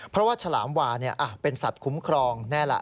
เพราะว่าฉลามวาเป็นสัตว์คุ้มครองแน่ล่ะ